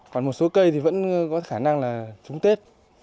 còn một số cây thì vẫn có khả năng là trúng tết